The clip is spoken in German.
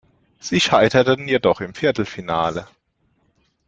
Sie scheiterten jedoch im Viertelfinale.